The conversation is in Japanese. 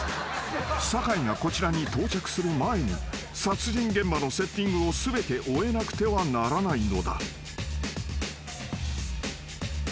［酒井がこちらに到着する前に殺人現場のセッティングを全て終えなくてはならないのだ］